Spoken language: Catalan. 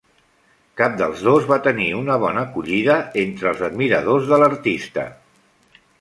Cap dels dos va tenir una bona acollida entre els admiradors de l'artista.